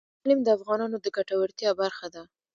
اقلیم د افغانانو د ګټورتیا برخه ده.